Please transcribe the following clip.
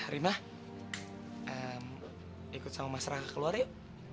rima ikut sama mas raka keluar yuk